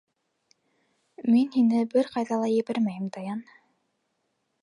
Мин һине бер ҡайҙа ла ебәрмәйем, Даян.